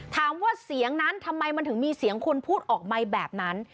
ถามว่าเสียงนั้นทำไมมันถึงมีเสียงคนพูดออกไหมแบบนั้น